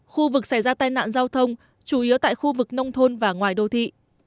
khu vực xảy ra tai nạn giao thông chủ yếu tại khu vực nông thôn và ngoài đô thị